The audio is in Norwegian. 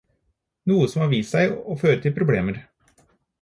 Noe som har vist seg å føre til problemer.